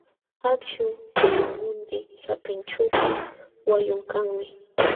Akśhu pulwamutin sapinćhuupis wayun kanmi.